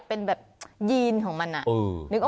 เป็นแบบยีนของมันอ่ะนึกออกไหม